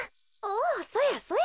おそやそや。